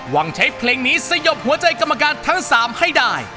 วางใช้เพลงนี้สยบหัวใจกรรมการทั้ง๓ให้ได้